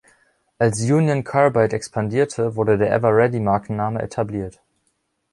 Als Union Carbide expandierte, wurde der „Eveready“-Markenname etabliert.